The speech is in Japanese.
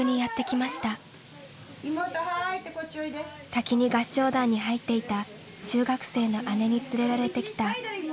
先に合唱団に入っていた中学生の姉に連れられてきた村田日和さん。